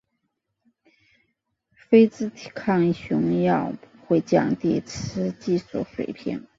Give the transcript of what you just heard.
非甾体抗雄药不会降低雌激素水平。